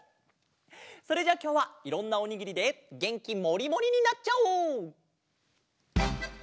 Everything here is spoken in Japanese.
それじゃあきょうはいろんなおにぎりでげんきもりもりになっちゃおう！